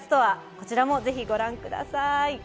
こちらも、ぜひご覧ください。